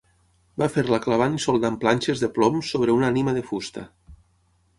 Va fer-la clavant i soldant planxes de plom sobre una ànima de fusta.